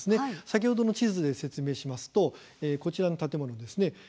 先ほどの地図で説明しますとこちらの建物ですね。